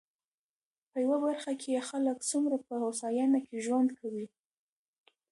په يوه برخه کې يې خلک څومره په هوساينه کې ژوند کوي.